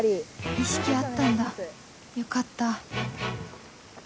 意識あったんだよかった